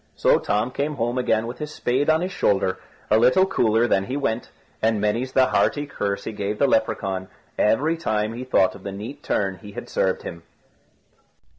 So Tom came home again with his spade on his shoulder, a little cooler than he went, and many's the hearty curse he gave the Lepracaun every time he thought of the neat turn he had served him.